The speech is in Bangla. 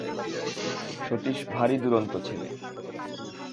সতীশ ভারি দুরন্ত ছেলে।